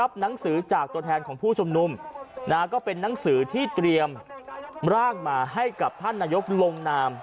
อาจเป็นหนังสือที่เรียมร่างมาให้กับท่านนโยคลงนาม